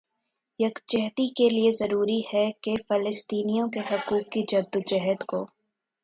یکجہتی کےلئے ضروری ہے کہ فلسطینیوں کے حقوق کی جدوجہد کو